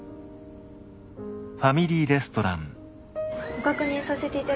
ご確認させていただきます。